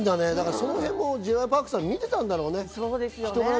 そのあたりもＪ．Ｙ．Ｐａｒｋさんは見てたんだろうね。